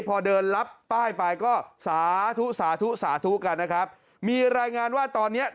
พอเดินรับป้ายไปก็สาธุกันนะครับมีรายงานว่าตอนนี้